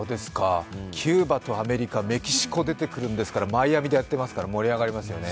キューバとアメリカ、メキシコが出てくるんですからマイアミでやってますから盛り上がりますよね。